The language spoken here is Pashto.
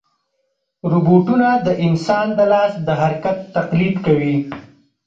روبوټونه د انسان د لاس د حرکت تقلید کوي.